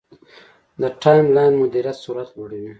د ټایملاین مدیریت سرعت لوړوي.